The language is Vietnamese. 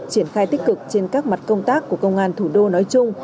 triển khai tích cực trên các mặt công tác của công an thủ đô nói chung